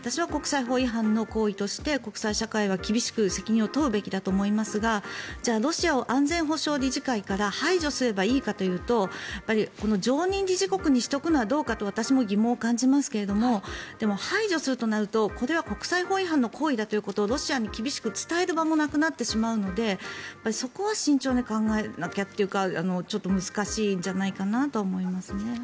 私は国際法違反の行為として国際社会は厳しく責任を問うべきだと思いますがじゃあ、ロシアを安全保障理事会から排除すればいいかというと常任理事国にしておくのはどうかと私も疑問を感じますがでも、排除するとなるとこれは国際法違反の行為だということをロシアに厳しく伝える場もなくなってしまうのでそこは慎重に考えなきゃというかちょっと難しいんじゃないかなと思いますね。